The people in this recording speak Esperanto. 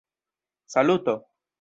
saluto